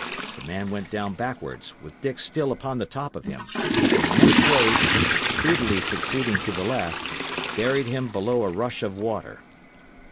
The man went down backwards, with Dick still upon the top of him; and the next wave, speedily succeeding to the last, buried him below a rush of water.